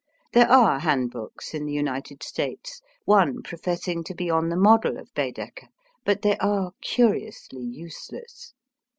There are handbooks in the United States, one professing to be on the model of Baedeker; but they are curiously useless.